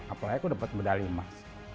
apalagi itu dapat medali mas